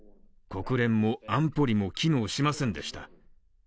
国連も安保理も機能しませんでした。